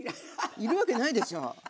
要るわけないでしょ。